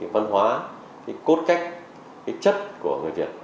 văn hóa cốt cách chất của người việt